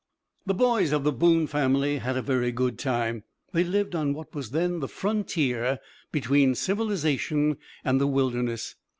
The boys of the Boone family had a very good time. They lived on what was then the frontier between civilization and the wilderness.